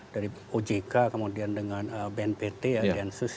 dari ojk kemudian dengan bnpt ya densus